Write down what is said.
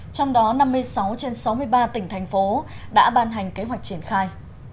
trong đó năm mươi sáu trên sáu mươi ba tỉnh thành phố đã ban hành kế hoạch triển khai